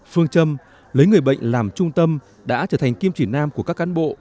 phương châm lấy người bệnh làm trung tâm đã trở thành kim chỉ nam của các cán bộ